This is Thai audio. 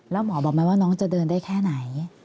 แล้วหมอบอกไหมว่าน้องจะเดินได้แค่ไหน